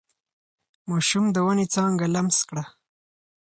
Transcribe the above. ماشوم د ونې څانګه لمس کړه.